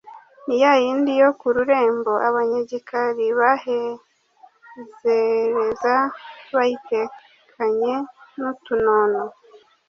Ni ya yindi yo ku rurembo Abanyagikari bahezereza Bayitekanye n'utunono,